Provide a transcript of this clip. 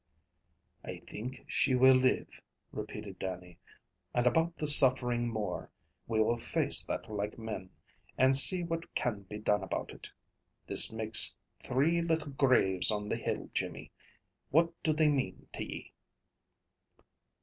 "I think she will live," repeated Dannie. "And about the suffering more, we will face that like men, and see what can be done about it. This makes three little graves on the hill, Jimmy, what do they mean to ye?"